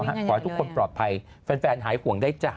ขอให้ทุกคนปลอดภัยแฟนหายห่วงได้จ้ะ